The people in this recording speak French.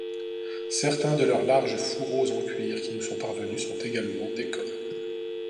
Certains de leurs larges fourreaux en cuir qui nous sont parvenus sont également décorés.